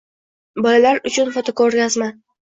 Bolalar uchun fotoko‘rgazma